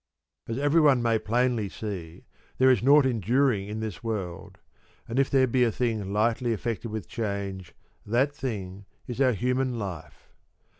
As everyone may plainly see there is nought en during in this world ; and if there be a thing lightly affected with change, that thing is our human life.